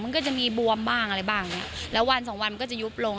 มันก็จะมีบวมบ้างอะไรบ้างเนี้ยแล้ววันสองวันมันก็จะยุบลง